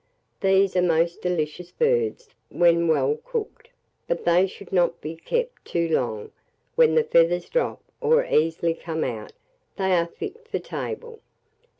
These are most delicious birds when well cooked, but they should not be kept too long: when the feathers drop, or easily come out, they are fit for table.